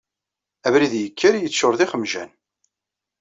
Abrid yekker, yeččur d ixemjan.